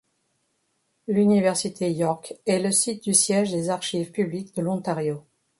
L'université York est le site du siège des Archives publiques de l'Ontario.